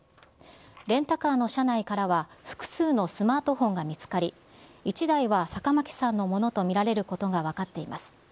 レンタカーの車内からは、複数のスマートフォンが見つかり、１台は坂巻さんのものと見られることが分かっています。